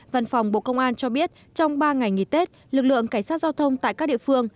văn phòng bộ công an cho biết trong ba ngày nghỉ tết lực lượng cảnh sát giao thông tại các địa phương